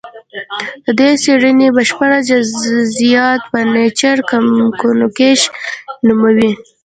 د دې څېړنې بشپړ جزیات په نېچر کمونیکشن نومې